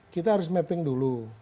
kita harus mapping dulu